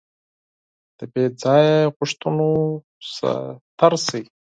د بې ځایه غوښتنو څخه تېر شئ.